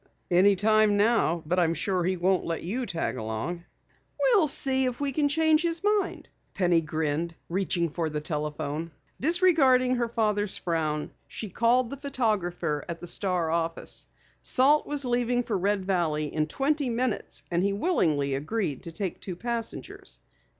"Any time now. But I'm sure he won't let you tag along." "We'll see if we can change his mind," Penny grinned, reaching for the telephone. Disregarding her father's frown, she called the photographer at the Star office. Salt was leaving for Red Valley in twenty minutes, and he willingly agreed to take two passengers.